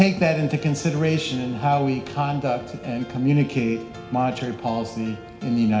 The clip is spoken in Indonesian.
kita semua harus mengikuti itu